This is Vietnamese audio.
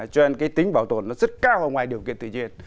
cho nên cái tính bảo tồn nó rất cao ở ngoài điều kiện tự nhiên